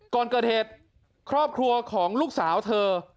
ก่อนเกิดเหตุครอบครัวของลูกสาวเธอ